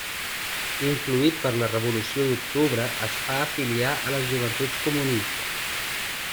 Influït per la revolució d'octubre es fa afiliar a les joventuts comunistes.